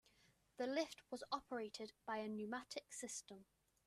The lift was operated by a pneumatic system.